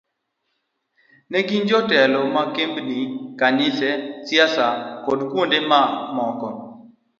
Ne gin jotelo ma kembni, kanise, siasa kod kuonde ma moko.